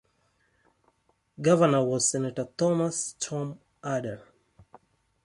Governor was Senator Thomas "Tom" Ada.